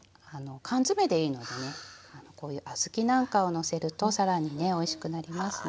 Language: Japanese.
缶詰でいいのでねこういう小豆なんかをのせるとさらにねおいしくなりますね。